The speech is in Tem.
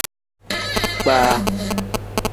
Kpaa.